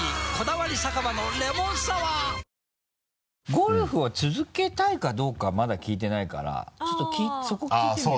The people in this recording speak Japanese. ゴルフを続けたいかどうかまだ聞いてないからちょっとそこ聞いてみよう。